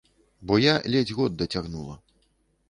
Бо я ледзь год дацягнула.